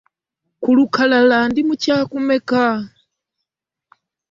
Ku lukalala ndi mu kyakumeka?